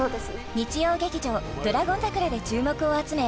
日曜劇場「ドラゴン桜」で注目を集め